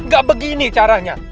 gak begini caranya